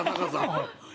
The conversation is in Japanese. はい。